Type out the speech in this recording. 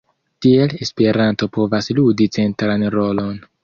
Tiel, Esperanto povas ludi centran rolon.